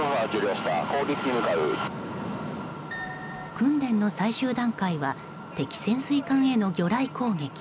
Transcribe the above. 訓練の最終段階は敵潜水艦への魚雷攻撃。